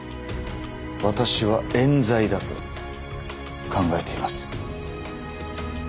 私はえん罪だと考えています。